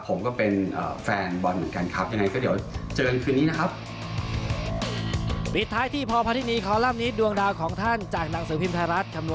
ผมก็เป็นแฟนบอลเหมือนกันครับ